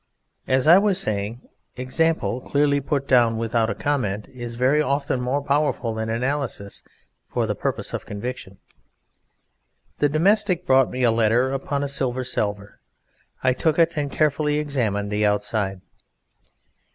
As I was saying, example clearly put down without comment is very often more powerful than analysis for the purpose of conviction. The Domestic brought me a letter upon a Silver Salver. I took it and carefully examined the outside.